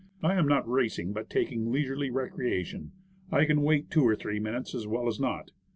I am not racing, but taking leisurely recreation. I can wait two or three minutes as well as not.